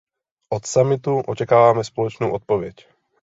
Od summitu očekáváme společnou odpověď.